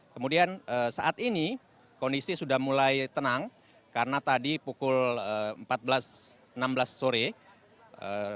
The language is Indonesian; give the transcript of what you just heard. kemudian saat ini kondisi sudah mulai tenang karena tadi pukul empat belas enam belas sore